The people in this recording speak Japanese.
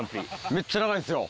めっちゃ長いっすよ。